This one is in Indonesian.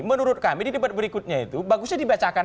menurut kami di debat berikutnya itu bagusnya dibacakan